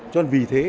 cho nên vì thế